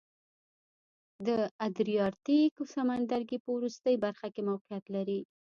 د ادریاتیک سمندرګي په وروستۍ برخه کې موقعیت لري.